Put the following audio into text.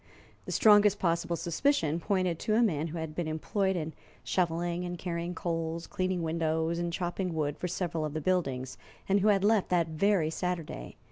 The strongest possible suspicion pointed to a man who had been employed in shoveling and carrying coals, cleaning windows, and chopping wood for several of the buildings, and who had left that very Saturday.